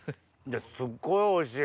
すっごいおいしい。